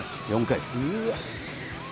４回です。